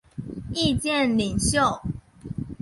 意见领袖。